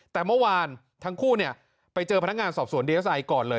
แต่เมื่อวานทั้งคู่เนี่ยไปเจอพนักงานสอบสวน